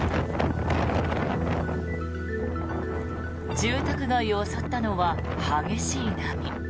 住宅街を襲ったのは激しい波。